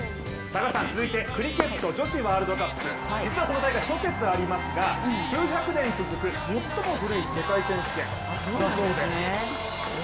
続いて、クリケット女子ワールドカップ実はこの大会、諸説ありますが、数百年続く最も古い世界選手権だそうです。